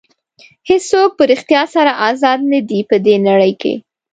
هېڅوک په ریښتیا سره ازاد نه دي په دې نړۍ کې.